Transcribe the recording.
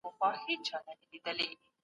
خو زما د زړه زمه واري واخله مئینه